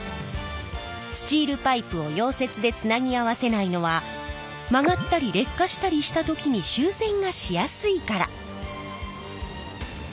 スチールパイプを溶接でつなぎ合わせないのは曲がったり劣化したりした時に修繕がしやすいから。